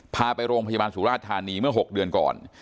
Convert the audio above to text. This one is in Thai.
พาไปโรงพยาบาลสุราชธานีเมื่อ๖เดือนก่อน